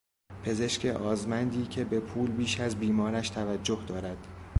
پزشک آزمندی که به پول بیش از بیمارش توجه دارد